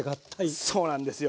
そうなんですよ。